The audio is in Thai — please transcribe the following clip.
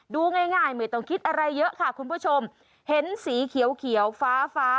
ดูง่ายไม่ต้องคิดอะไรเยอะค่ะคุณผู้ชมเห็นสีเขียวเขียวฟ้าฟ้า